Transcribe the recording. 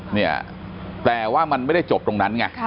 เนี่ยแต่ว่ามันไม่ได้จบตรงนั้นไง